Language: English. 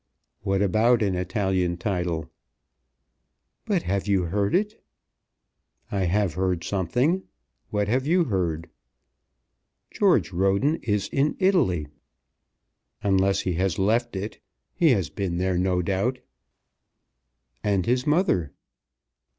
"What about an Italian title?" "But have you heard it?" "I have heard something. What have you heard?" "George Roden is in Italy." "Unless he has left it. He has been there, no doubt." "And his mother."